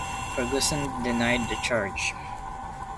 Ferguson denied the charge.